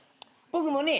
僕もね